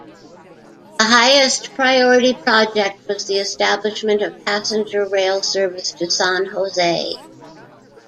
The highest-priority project was the establishment of passenger rail service to San Jose.